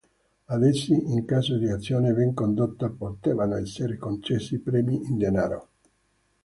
Ad essi, in caso di azione ben condotta, potevano essere concessi premi in denaro.